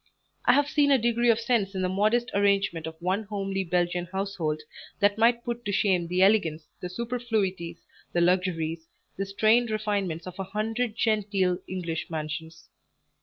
I have seen a degree of sense in the modest arrangement of one homely Belgian household, that might put to shame the elegance, the superfluities, the luxuries, the strained refinements of a hundred genteel English mansions.